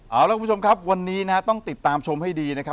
เอาละคุณผู้ชมครับวันนี้นะฮะต้องติดตามชมให้ดีนะครับ